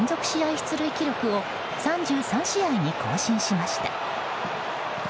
出塁記録を３３試合に更新しました。